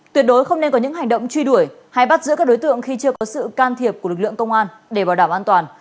tuyệt đối không nên có những hành động truy đuổi hay bắt giữ các đối tượng khi chưa có sự can thiệp của lực lượng công an để bảo đảm an toàn